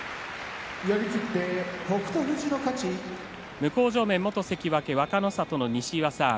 向正面は元関脇若の里の西岩さん